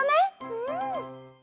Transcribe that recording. うん。